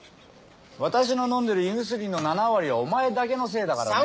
私の飲んでる胃薬の７割はお前だけのせいだからね。